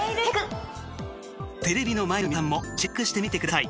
テレビの前の皆さんもチェックしてみてください。